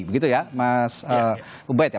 begitu ya mas ubaid ya